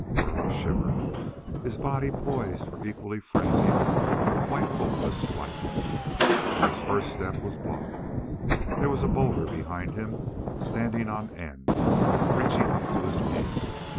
Burl shivered, his body poised for equally frenzied but quite hopeless flight. But his first step was blocked. There was a boulder behind him, standing on end, reaching up to his knee.